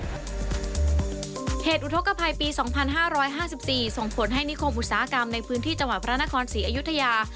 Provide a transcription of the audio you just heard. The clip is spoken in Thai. อุทธกภัยปี๒๕๕๔ส่งผลให้นิคมอุตสาหกรรมในพื้นที่จังหวัดพระนครศรีอยุธยา